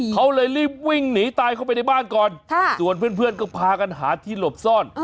เขาเลยรีบวิ่งหนีตายเข้าไปในบ้านก่อนส่วนเพื่อนก็พากันหาที่หลบซ่อน